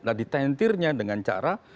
nah ditentirnya dengan cara